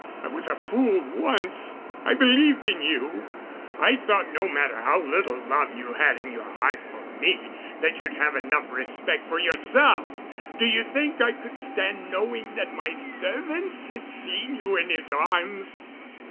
I was a fool once. I believed in you—I thought no matter how little love you had in your heart for me that you'd have enough respect for yourself. Do you think I could stand knowing that my servants had seen you in his arms?"